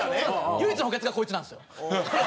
唯一の補欠がこいつなんですよ。